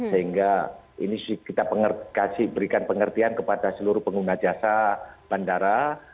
sehingga ini kita berikan pengertian kepada seluruh pengguna jasa bandara